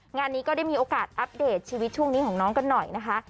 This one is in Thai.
งานนี้ก็ได้มีโอกาสอัปเดตชีวิตช่วงนี้ของน้องกันหน่อยนะคะ